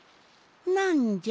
なんじゃ？